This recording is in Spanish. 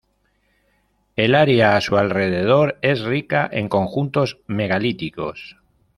El área a su alrededor es rica en conjuntos megalíticos.